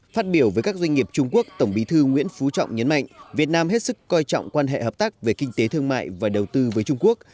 phát biểu với các doanh nghiệp trung quốc tổng bí thư nguyễn phú trọng nhấn mạnh việt nam hết sức coi trọng quan hệ hợp tác về kinh tế thương mại và đầu tư với trung quốc